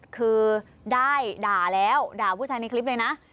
คือได้ด่าแล้วด่าผู้ชายในคลิปเลยนะ